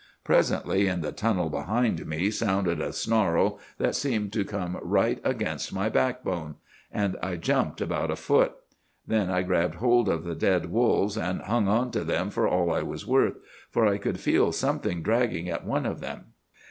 "'Presently, in the tunnel behind me, sounded a snarl that seemed to come right against my backbone, and I jumped about a foot. Then I grabbed hold of the dead wolves, and hung onto them for all I was worth, for I could feel something dragging at one of them.